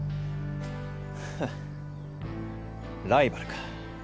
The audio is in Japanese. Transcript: フッライバルか。